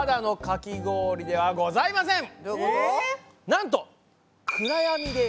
なんと！